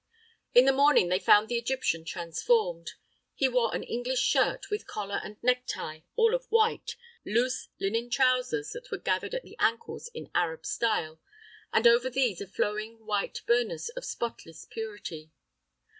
In the morning they found the Egyptian transformed. He wore an English shirt, with collar and necktie all of white, loose linen trousers that were gathered at the ankles in Arab style, and over these a flowing white burnous of spotless purity.